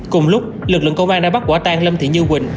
cùng lúc lực lượng công an đã bắt quả tang lâm thị như quỳnh